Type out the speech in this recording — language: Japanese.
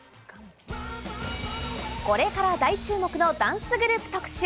これから大注目のダンスグループ特集。